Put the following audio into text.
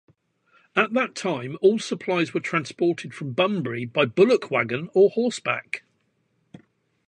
At that time all supplies were transported from Bunbury by bullock wagon, or horseback.